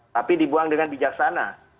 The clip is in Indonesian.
tapi dibuang dengan bijaksana